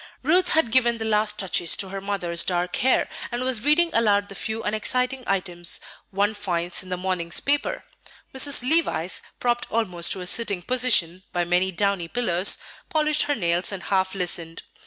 Ruth had given the last touches to her mother's dark hair, and was reading aloud the few unexciting items one finds in the morning's paper. Mrs. Levice, propped almost to a sitting position by many downy pillows, polished her nails and half listened.